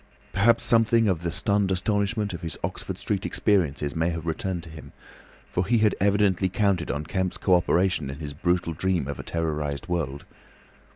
Perhaps something of the stunned astonishment of his Oxford Street experiences may have returned to him, for he had evidently counted on Kemp's co operation in his brutal dream of a terrorised world.